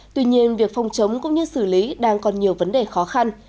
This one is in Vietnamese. tuy nhiên việc phòng chống cũng như xử lý đang còn nhiều vấn đề khó khăn